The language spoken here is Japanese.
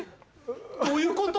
どういうこと？